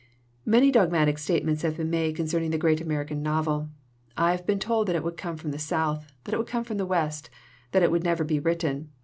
Many dogmatic statements have been made concerning the great American novel. I have been told that it would come from the South, that it would come from the West, that it would never be written.